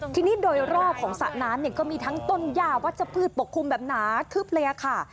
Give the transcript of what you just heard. ทีนี้โดยรอบของสระน้ำเนี่ยก็มีทั้งต้นย่าวัชพืชปกคลุมแบบหนาคึบเลยค่ะ